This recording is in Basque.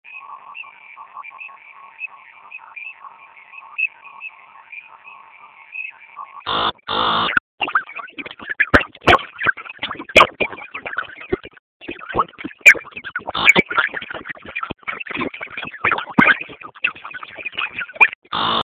Jendea lanean ari da, benetan?